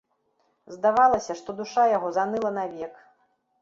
Здавалася, што душа яго заныла навек.